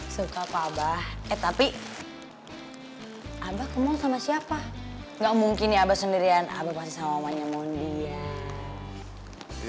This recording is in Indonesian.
suka apa abah eh tapi abah ke mall sama siapa gak mungkin ya abah sendirian abang pasti sama omannya mundi ya